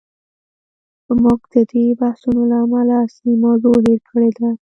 موږ د دې بحثونو له امله اصلي موضوع هیر کړې ده.